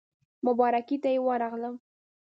مبارکۍ ته یې ورغلم.